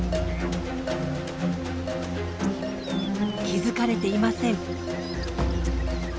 気付かれていません。